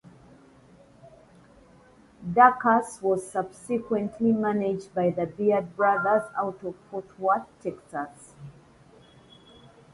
Dacus was subsequently managed by the Beard Brothers out of Fort Worth, Texas.